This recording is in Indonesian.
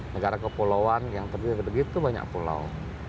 negara kepulauan yang terdiri dari begitu banyak pulau